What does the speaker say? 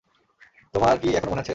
তোমার কি এখনো মনে আছে?